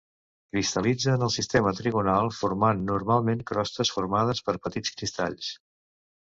Cristal·litza en el sistema trigonal formant normalment crostes formades per petits cristalls.